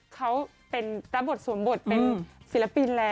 เขาตั้งบทสวบทเป็นศิลปินแล้ว